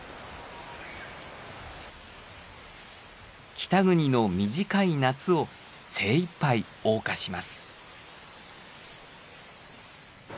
北国の短い夏を精いっぱいおう歌します。